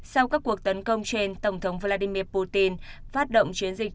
sau các cuộc tấn công trên tổng thống vladimir putin phát động chiến dịch